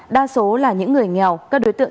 đa số là những người nghèo các đối tượng